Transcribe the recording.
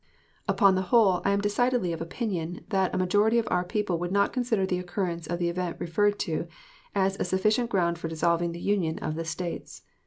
Upon the whole I am decidedly of opinion that a majority of our people would not consider the occurrence of the event referred to as sufficient ground for dissolving the union of the States.